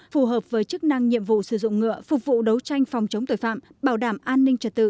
phù hợp với chức năng nhiệm vụ sử dụng ngựa phục vụ đấu tranh phòng chống tội phạm bảo đảm an ninh trật tự